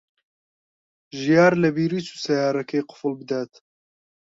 ژیار لەبیری چوو سەیارەکەی قوفڵ بدات.